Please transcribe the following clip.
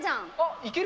いける？